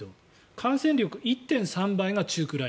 感染力１．３倍が中くらい。